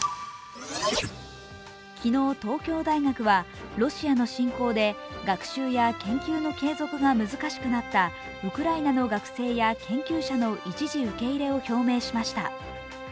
昨日、東京大学はロシアの侵攻で学習や研究の継続が難しくなったウクライナの学生や研究者の一時受け入れを表明しました。